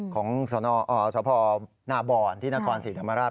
ของสพนาบอนที่นครศรีธรรมราช